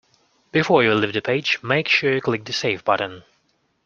Before you leave the page, make sure you click the save button